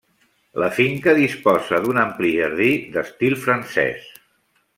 La finca disposa d'un ampli jardí d'estil francès.